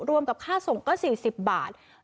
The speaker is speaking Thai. รวมกับค่าส่งก็๔๐บาท